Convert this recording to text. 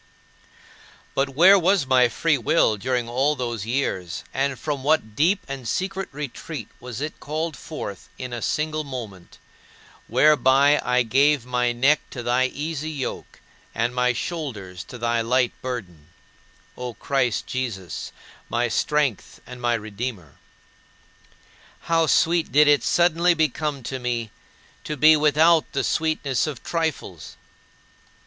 But where was my free will during all those years and from what deep and secret retreat was it called forth in a single moment, whereby I gave my neck to thy "easy yoke" and my shoulders to thy "light burden," O Christ Jesus, "my Strength and my Redeemer"? How sweet did it suddenly become to me to be without the sweetness of trifles!